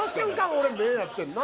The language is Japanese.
俺目ぇ合ってんな。